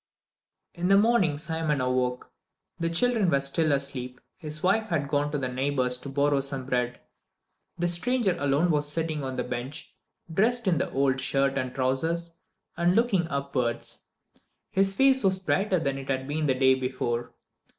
V In the morning Simon awoke. The children were still asleep; his wife had gone to the neighbor's to borrow some bread. The stranger alone was sitting on the bench, dressed in the old shirt and trousers, and looking upwards. His face was brighter than it had been the day before.